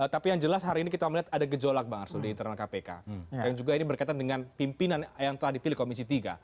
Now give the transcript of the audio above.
tapi yang jelas hari ini kita melihat ada gejolak bang arsul di internal kpk yang juga ini berkaitan dengan pimpinan yang telah dipilih komisi tiga